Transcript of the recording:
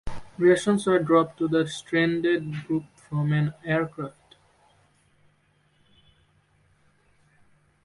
Rations were dropped to the stranded group from an aircraft.